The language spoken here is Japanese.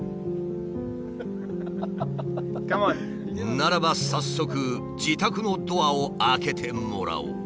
ならば早速自宅のドアを開けてもらおう。